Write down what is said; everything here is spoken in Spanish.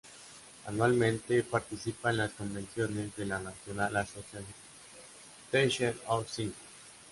Anualmente, participa en las convenciones de la National Association of Teachers of Singing.